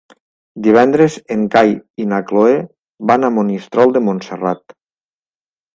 Divendres en Cai i na Cloè van a Monistrol de Montserrat.